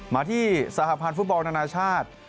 มาที่สถาบันฟุตบอลนานาธาตุ